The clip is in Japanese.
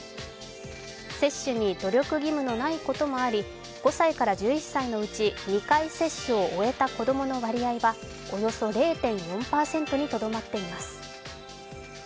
接種に努力義務のないこともあり５歳から１１歳のうち２回接種を終えた子供の割合はおよそ０．４％にとどまっています。